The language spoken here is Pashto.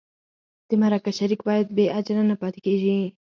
د مرکه شریک باید بې اجره نه پاتې کېږي.